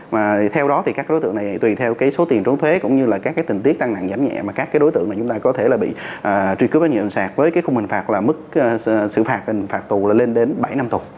mà theo đó thì các đối tượng này tùy theo cái số tiền trốn thuế cũng như là các cái tình tiết tăng nặng giảm nhẹ mà các cái đối tượng này chúng ta có thể là bị truy cứu trách nhiệm hình sạc với cái khung hình phạt là mức xử phạt hình phạt tù là lên đến bảy năm tù